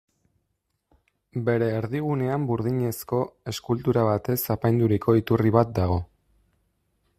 Bere erdigunean burdinezko eskultura batez apainduriko iturri bat dago.